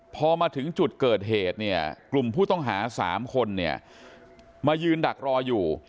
พอมาถึงจุดเกิดเหตุเนี่ยกลุ่มผู้ต้องหา๓คนเนี่ยมายืนดักรออยู่